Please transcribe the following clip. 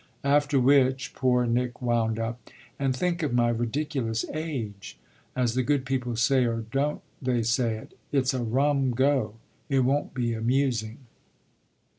After which poor Nick wound up: "And think of my ridiculous age! As the good people say (or don't they say it?), it's a rum go. It won't be amusing."